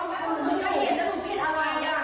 อ้าวแล้วพี่ไม่อยู่อ้าวหนูแค่เห็นแล้วหนูพิสิทธิ์อะไรอ่ะ